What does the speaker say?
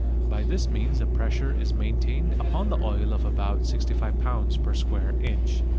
By this means a pressure is maintained upon the oil of about 65 lb. per square inch.